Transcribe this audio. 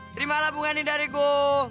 terimalah bunga ini dariku